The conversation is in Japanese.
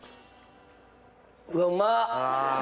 うわうま！